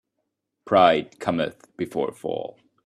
Pride cometh before a fall.